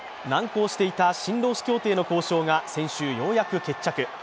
難航していた新労使協定の交渉が先週、ようやく決着。